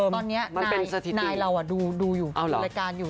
ตอนนี้นายเราดูอยู่รายการอยู่